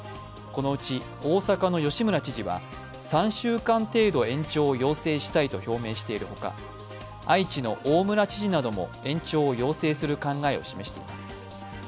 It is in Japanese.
このうち大阪の吉村知事は３週間程度延長を要請したいと表明しているほか愛知の大村知事なども延長を要請する考えを示しています。